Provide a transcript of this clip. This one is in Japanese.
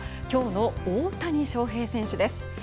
今日の大谷翔平選手です。